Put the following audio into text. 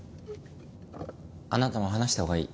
あなたも話したほうがいい。